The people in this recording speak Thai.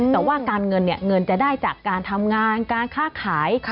แต่ว่าการเงินเงินจะได้จากการทำงานการค้าขาย